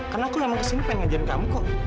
karena aku emang kesini pengen ngajarin kamu kok